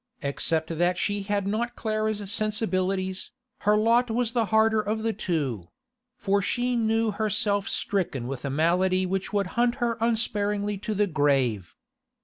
Except that she had not Clara's sensibilities, her lot was the harder of the two; for she knew herself stricken with a malady which would hunt her unsparingly to the grave.